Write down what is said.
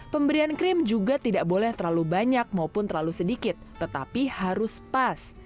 pemberian krim juga tidak boleh terlalu banyak maupun terlalu sedikit tetapi harus pas